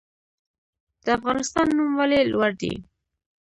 د افغانستان نوم ولې لوړ دی؟